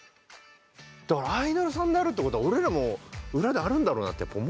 だからアイドルさんであるってことは俺らも裏であるだろうなって思うよね。